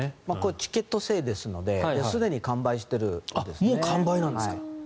チケット制ですのですでに完売してるそうですね。